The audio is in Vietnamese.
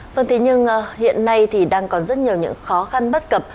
vâng thế nhưng hiện nay thì đang còn rất nhiều những khó khăn bất cập